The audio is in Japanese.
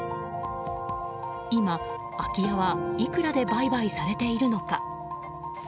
今、空き家はいくらで売買されているのか。